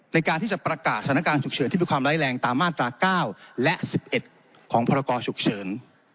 ในการที่จะประกาศสถานการณ์ฉุกเฉินที่มีความร้ายแรงตามมาตรา๙และ๑๑ของพรกรฉุกเฉิน